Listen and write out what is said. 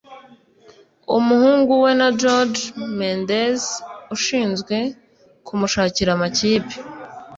umuhungu we na Jorge Mendes ushinzwe kumushakira amakipe